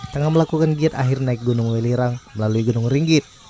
tengah melakukan giat akhir naik gunung welirang melalui gunung ringgit